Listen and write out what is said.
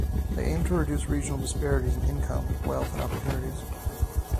They aim to reduce regional disparities in income, wealth and opportunities.